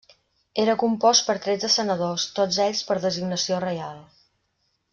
Era compost per tretze senadors, tots ells per designació reial.